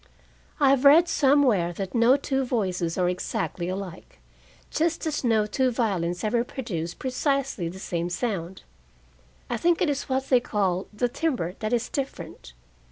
I have read somewhere that no two voices are exactly alike, just as no two violins ever produce precisely the same sound. I think it is what they call the timbre that is different.